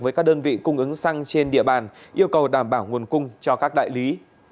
với các đơn vị cung ứng xăng trên địa bàn yêu cầu đảm bảo nguồn cung cho các đại lý